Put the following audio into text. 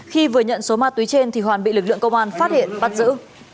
khi vừa nhận số ma túy trên thì hoàn bị lực lượng công an phát hiện bắt giữ